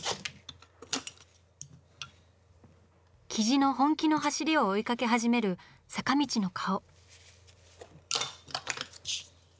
雉の本気の走りを追いかけ始める坂道の顔。